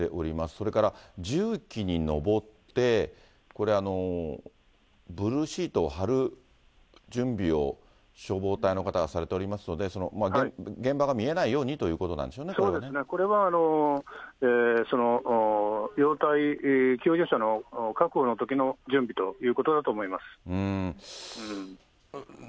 それから重機に上って、これブルーシートを張る準備を、消防隊の方がされておりますので、現場が見えないようにということそうですね、これはようたい、救助者の確保のときの準備ということだと思います。